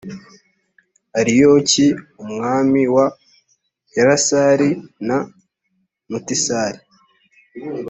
ariyoki umwami wa elasari na mutisra